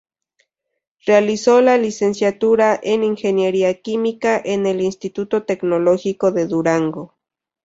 Realizó la licenciatura en Ingeniería Química en el Instituto Tecnológico de Durango.